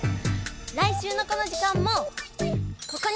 来週のこの時間もここに集合だよ！